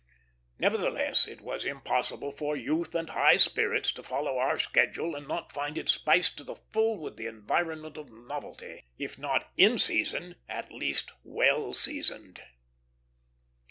Nevertheless, it was impossible for youth and high spirits to follow our schedule and not find it spiced to the full with the enjoyment of novelty; if not in season, at least well seasoned.